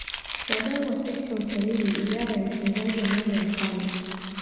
Wadau wa sekta ya utalii Idara ya Utunzaji wa Mambo ya Kale